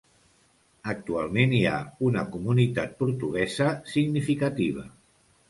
Actualment hi ha una comunitat portuguesa significativa.